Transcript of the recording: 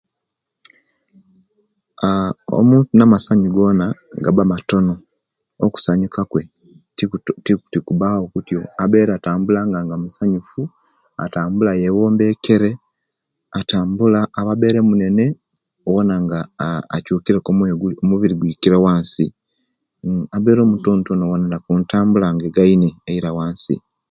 Aah omuntu namasanyu gona gaba matono okusanyuka kwe ti ti tikubawo kutyo abere atambulanga nga musanyufu atambula awumbekere atambula oba abere munene owona nga aah akyukireku nga omubiri gwikire owansi uuh abere mutontono owona kuntambula nga egaine aira wansi